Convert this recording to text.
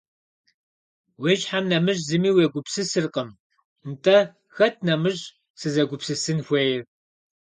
-Уи щхьэм нэмыщӏ зыми уегупсысыркъым. – Нтӏэ хэт нэмыщӏ сызэгупсысын хуейр?